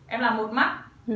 em làm một mắt